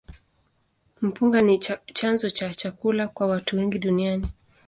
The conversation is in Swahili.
Mpunga ni chanzo cha chakula kwa watu wengi duniani.